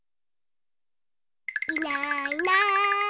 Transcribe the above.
いないいない。